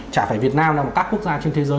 chả phải việt nam nào các quốc gia trên thế giới